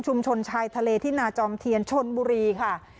ชนชายทะเลที่นาจอมเทียนชนบุรีค่ะ